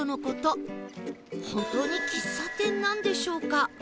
本当に喫茶店なんでしょうか？